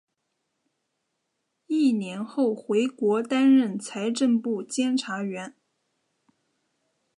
一年后回国担任财政部监察员。